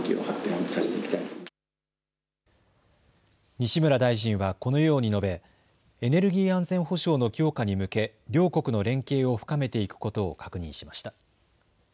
西村大臣はこのように述べエネルギー安全保障の強化に向け両国の連携を深めていくことを確認しました。